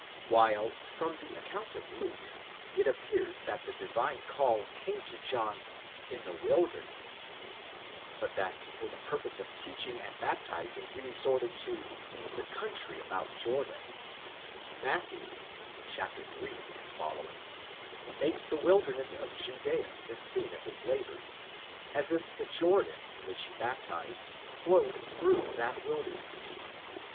While from the account of Luke it appears that the divine call came to John 2" the wilderness, ἐν τῇ ἐρήμῳ, but that for the purpose of teaching and baptizing he resorted to 'he country about Jordan, περίχωρος τοῦ Ἰορδάνου (ver. 3); Matthew (iii. ff.) makes the wilderness of Judea the scene of his labours, as if the Jordan in which he baptized flowed through that wilderness.